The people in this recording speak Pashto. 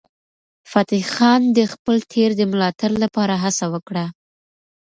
فتح خان د خپل ټبر د ملاتړ لپاره هڅه وکړه.